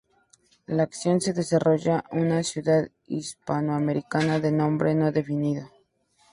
La acción se desarrolla una ciudad Hispanoamericana de nombre no definido.